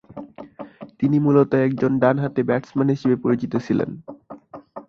তিনি মূলত একজন ডান-হাতি ব্যাটসম্যান হিসেবে পরিচিত ছিলেন।